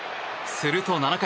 すると、７回。